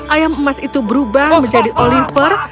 ayam emas itu berubah menjadi oliver